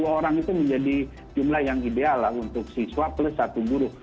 dua puluh orang itu menjadi jumlah yang ideal lah untuk siswa plus satu guru